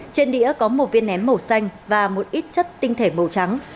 trên đĩa có một viên nén màu xanh và một ít chất tinh thể màu trắng